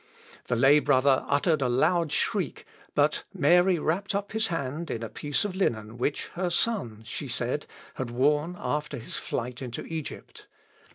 The lay brother uttered a loud shriek, but Mary wrapt up his hand in a piece of linen which her Son, she said, had worn after his flight into Egypt.